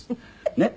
ねっ。